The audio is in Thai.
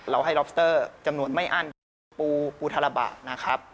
ให้ล็อบสเตอร์จำนวนไม่อั้นปูปูธาระบะนะครับ